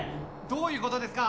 どういうことですか？